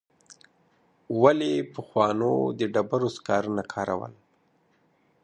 ولي پخوانو د ډبرو سکاره نه کارول؟